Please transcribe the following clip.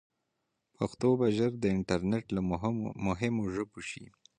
پښتو به ژر د انټرنیټ له مهمو ژبو شي.